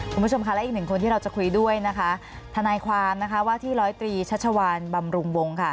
คุณผู้ชมค่ะและอีกหนึ่งคนที่เราจะคุยด้วยนะคะทนายความนะคะว่าที่ร้อยตรีชัชวานบำรุงวงค่ะ